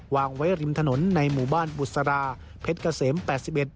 วางไว้ริมถนนในหมู่บ้านบุษราเพชรเกษมแปดสิบเอ็ด